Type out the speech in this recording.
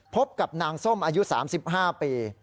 พบกับนางส้มอายุ๓๕ปี